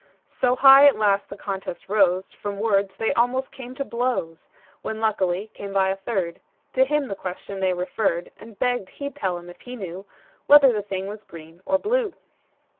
So high at last the contest rose, From words they almost came to blows; When luckily came by a third To him the question they referred, And begged he'd tell 'em, if he knew, Whether the thing was green or blue.